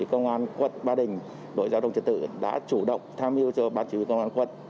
công an quận ba đình đội giao thông trật tự đã chủ động tham hiu cho bà chỉ huy công an quận